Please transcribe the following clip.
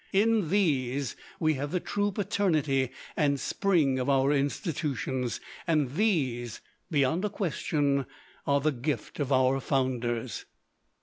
In these we have the true paternity and spring of our institutions; and these, beyond a question, are the gift of our founders.